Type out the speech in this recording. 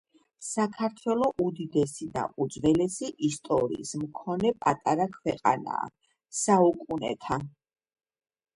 საქართველო უდიდესი და უძველესი ისტორიის მქონე პატარა ქვეყანაა. საუკუნეთა